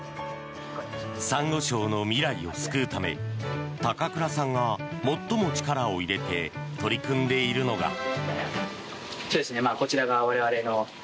サンゴ礁の未来を救うため高倉さんが最も力を入れて取り組んでいるのが。